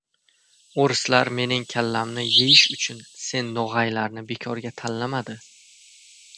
O‘rislar mening kallamni yeyish uchun sen no‘g‘aylarni bekorga tanlamadi.